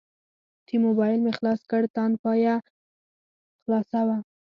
چې موبایل مې خلاص کړ تاند پاڼه خلاصه وه.